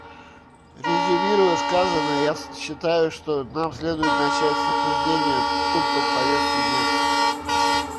Резюмируя сказанное, я считаю, что нам следует начать с обсуждения пунктов повестки дня.